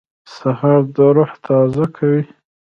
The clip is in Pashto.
سهار د روح تازه کوي.